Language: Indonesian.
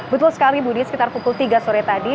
betul sekali budi sekitar pukul tiga sore tadi